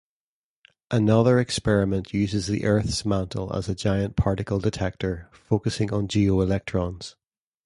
Another experiment uses the earth's mantle as a giant particle detector, focusing on geoelectrons.